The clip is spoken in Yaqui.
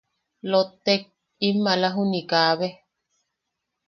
Lottek, in maala juniʼi kaabe.